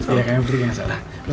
iya kami bertiga yang salah